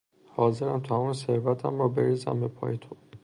حاضرم تمام ثروتم را بریزم به پای تو